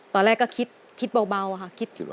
ตอนแรกก็คิดเบาค่ะ